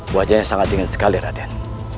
wajahnya sangat dingin sekali raden